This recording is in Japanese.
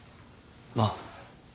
まあ。